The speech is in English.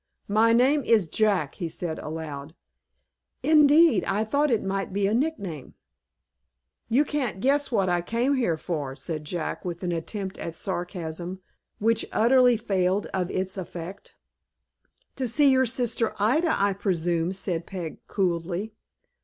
"My name is Jack," he said, aloud. "Indeed! I thought it might be a nickname." "You can't guess what I came here for," said Jack, with an attempt at sarcasm, which utterly failed of its effect. "To see your sister Ida, I presume," said Peg, coolly.